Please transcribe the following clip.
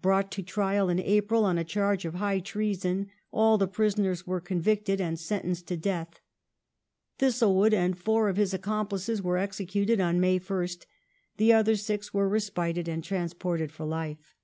Brought to trial in April on a charge of high treason all the prisoners were convicted and sentenced to death. Thistlewood and four of his accomplices were executed on May 1st ; the other six were respited and transported for life.